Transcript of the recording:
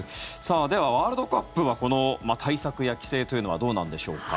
では、ワールドカップはこの対策や規制というのはどうなんでしょうか。